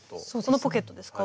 このポケットですか？